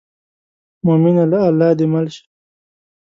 مومنه له الله دې مل شي.